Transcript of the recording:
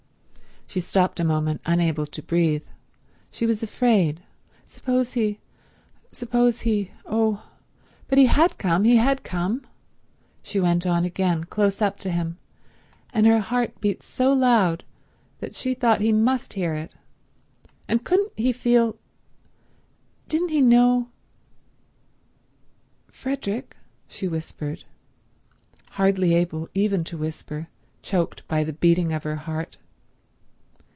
She stopped a moment, unable to breathe. She was afraid. Suppose he—suppose he—oh, but he had come, he had come. She went on again, close up to him, and her heart beat so loud that she thought he must hear it. And couldn't he feel—didn't he know— "Frederick," she whispered, hardly able even to whisper, choked by the beating of her heart.